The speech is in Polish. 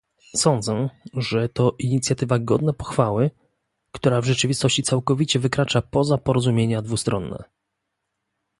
Sądzę, że to inicjatywa godna pochwały, która w rzeczywistości całkowicie wykracza poza porozumienia dwustronne